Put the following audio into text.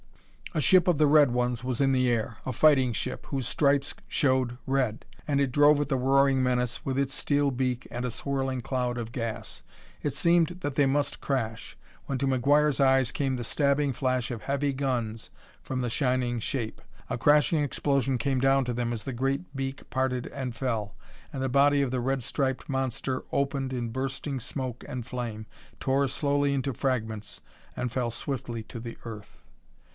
A ship of the red ones was in the air a fighting ship, whose stripes showed red and it drove at the roaring menace with its steel beak and a swirling cloud of gas. It seemed that they must crash, when to McGuire's eyes came the stabbing flash of heavy guns from the shining shape. A crashing explosion came down to them as the great beak parted and fell, and the body of the red striped monster opened in bursting smoke and flame, tore slowly into fragments and fell swiftly to the earth.